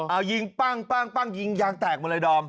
เอายิงปั้งยิงยางแตกหมดเลยดอม